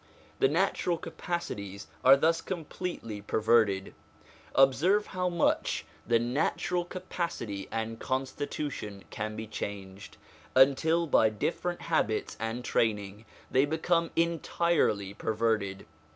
The natural capacities are thus completely perverted. Observe how much the natural capacity and constitution can be changed, until by different habits and training they become entirely perverted.